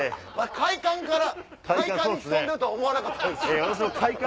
会館から会館に潜んでるとは思わなかったです。